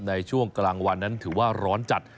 ในช่วงกลางวันนั้นถือว่าร้อนจัด